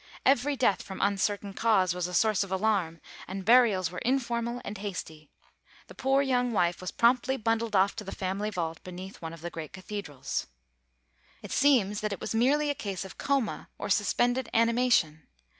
Every death from uncertain cause was a source of alarm, and burials were informal and hasty. The poor young wife was promptly bundled off to the family vault beneath one of the great cathedrals. It seems that it was merely a case of coma, or suspended animation.